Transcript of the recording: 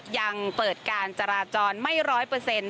ยังเปิดการจราจรไม่ร้อยเปอร์เซ็นต์